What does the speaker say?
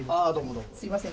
すいません